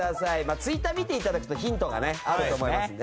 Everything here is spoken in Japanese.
ツイッター見ていただくとヒントがあると思いますんで。